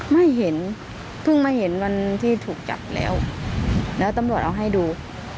ไม่เห็นเพิ่งมาเห็นวันที่ถูกจับแล้วแล้วตำรวจเอาให้ดู